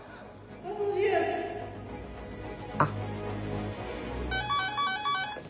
あっ。